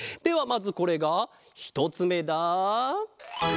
まずこれがひとつめだ。